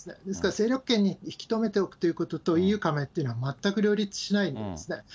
ですから勢力圏に引き止めておくということと、ＥＵ加盟っていうのは、全く両立しないんですね。